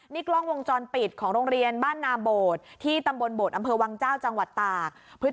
นี่กล้องวงจรปิดของโรงเรียนบ้านนาโบดที่ตำบลโบดอำเภอวังเจ้าจังหวัดตาก